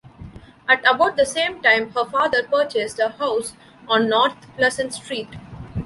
At about the same time, her father purchased a house on North Pleasant Street.